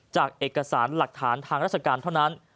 จากเอกสารหลักฐานทางราชการเท่านั้น